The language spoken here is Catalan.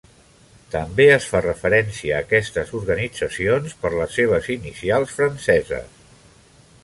També es fa referència a aquestes organitzacions per les seves inicials franceses.